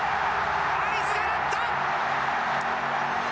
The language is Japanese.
合図が鳴った！